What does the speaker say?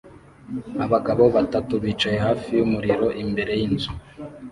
Abagabo batatu bicaye hafi yumuriro imbere yinzu